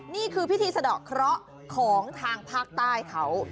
นี่คือพิธีสะดอกเคราะห์ของทางภาคใต้เขา